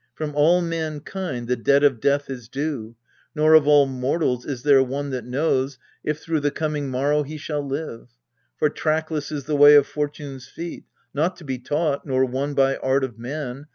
From all mankind the debt of death is due, Nor of all mortals is there one that knows If through the coming morrow he shall live : For trackless is the way of Fortune's feet, Not to be taught, nor won by art of man.